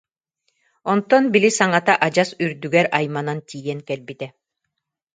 Онтон били саҥата адьас үрдүгэр айманан тиийэн кэлбитэ